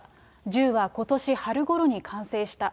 銃はことし春ごろに完成した。